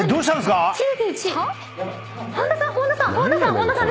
本田さん！